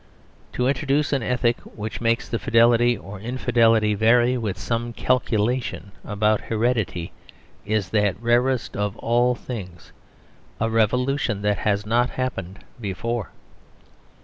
To introduce an ethic which makes that fidelity or infidelity vary with some calculation about heredity is that rarest of all things, a revolution that has not happened before.